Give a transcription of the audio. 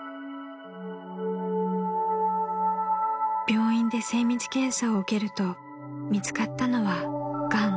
［病院で精密検査を受けると見つかったのはがん］